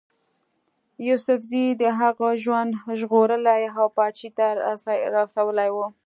یوسفزیو د هغه ژوند ژغورلی او پاچهي ته رسولی وو.